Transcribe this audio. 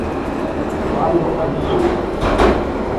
Cláudia Simone Sobral